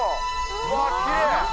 うわっ、きれい。